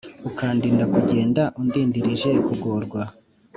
ukandinda kugenda undindirije kugorwa